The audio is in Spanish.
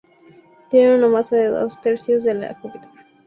Tiene una masa de dos tercios la de Júpiter.